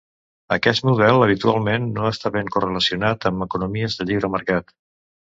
Aquest model habitualment no està ben correlacionat amb economies de lliure mercat.